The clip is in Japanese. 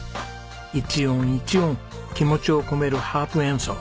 一音一音気持ちを込めるハープ演奏。